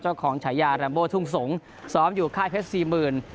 เจ้าของฉายาลัมโบทุ่งทรงสอบอยู่ค่ายเพชรสี่หมื่น